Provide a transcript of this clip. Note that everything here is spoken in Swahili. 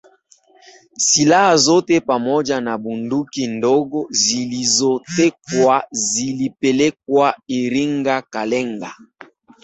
Silaha zote pamoja na bunduki ndogo zilizotekwa zilipelekwa Iringa Kalenga